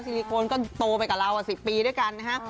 ลิโคนก็โตไปกับเรา๑๐ปีด้วยกันนะฮะ